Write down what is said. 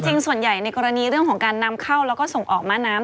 ส่วนใหญ่ในกรณีเรื่องของการนำเข้าแล้วก็ส่งออกมาน้ำ